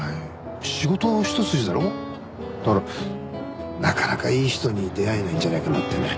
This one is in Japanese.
だからなかなかいい人に出会えないんじゃないかなってね。